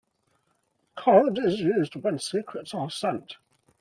Code is used when secrets are sent.